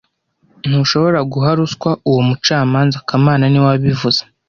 Ntushobora guha ruswa uwo mucamanza kamana niwe wabivuze